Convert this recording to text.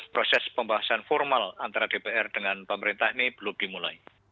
proses pembahasan formal antara dpr dengan pemerintah ini belum dimulai